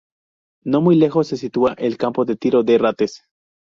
No muy lejos se sitúa el Campo de Tiro de Rates.